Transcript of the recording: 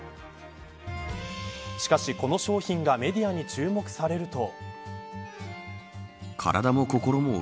しかし、この商品がメディアに注目されると。